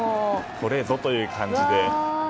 これぞという感じで。